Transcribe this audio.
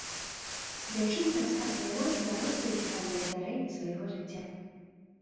Дзяўчынка расказвае нам пра розныя цікавыя здарэнні са свайго жыцця.